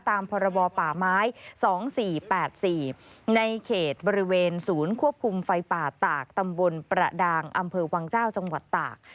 พรบป่าไม้๒๔๘๔ในเขตบริเวณศูนย์ควบคุมไฟป่าตากตำบลประดางอำเภอวังเจ้าจังหวัดตาก